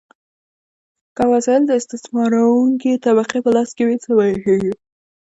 که وسایل د استثمارونکې طبقې په لاس کې وي، څه پیښیږي؟